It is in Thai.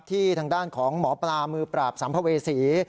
ทางด้านของหมอปลามือปราบสัมภเวษี